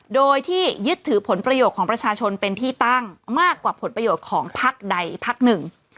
โดยที่ยึดถือผลประโยชน์ของประชาชนเป็นที่ตั้งมากกว่าผลประโยชน์ของพักใดพักหนึ่ง